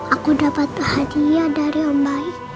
aku dapat hadiah dari yang baik